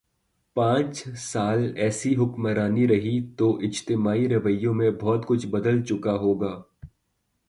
پانچ سال ایسی حکمرانی رہی تو اجتماعی رویوں میں بہت کچھ بدل چکا ہو گا۔